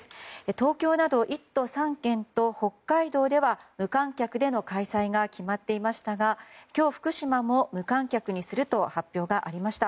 東京など１都３県と北海道では無観客での開催が決まっていましたが今日、福島も無観客にすると発表がありました。